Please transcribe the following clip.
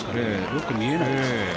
よく見えないです。